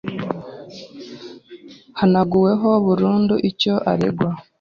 Yahanaguweho burundu icyo aregwa.